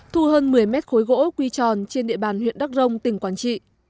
thu hơn một mươi mét khối gỗ quy tròn trên địa bàn huyện đắk rông tỉnh quảng trị